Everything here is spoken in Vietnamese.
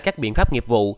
các biện pháp nghiệp vụ